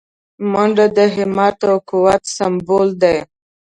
منډه د همت او قوت سمبول دی